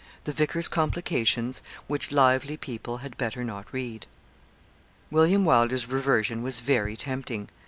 THE VICAR'S COMPLICATIONS, WHICH LIVELY PEOPLE HAD BETTER NOT READ. William Wylder's reversion was very tempting.